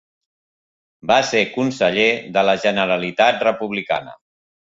Va ser conseller de la Generalitat republicana.